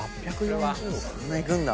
そんないくんだ。